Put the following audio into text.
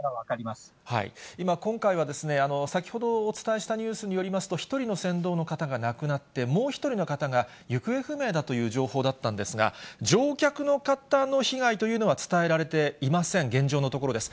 今、今回は、先ほどお伝えしたニュースによりますと、１人の船頭の方が亡くなって、もう１人の方が行方不明だという情報だったんですが、乗客の方の被害というのは伝えられていません、現状のところです。